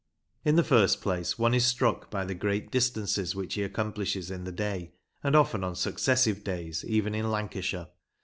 In the first place, one is struck by the great distances which he accomplishes in the day, and often on successive days, even in Lancashire.